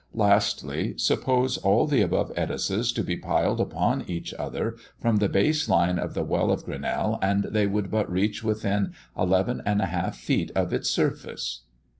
Lastly, suppose all the above edifices to be piled upon each other, from the base line of the Well of Grenelle, and they would but reach within 11 1/2 feet of its surface.